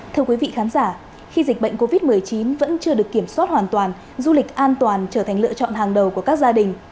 thưa quý vị khán giả khi dịch bệnh covid một mươi chín vẫn chưa được kiểm soát hoàn toàn du lịch an toàn trở thành lựa chọn hàng đầu của các gia đình